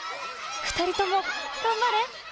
２人とも、頑張れ。